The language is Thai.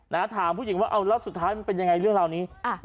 แล้วถามผู้หญิงว่าเอาแล้วสุดท้ายมันเป็นอย่างไรเรื่องเหล่านี้